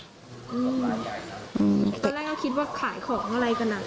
อืมอืมตอนแรกเขาคิดว่าขายของอะไรกันอ่ะ